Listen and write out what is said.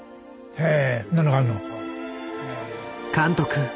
へえ。